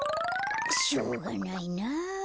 しょうがないな。